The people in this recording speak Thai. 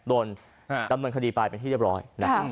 โดนดำเนินคดีปลายเป็นที่เรียบร้อย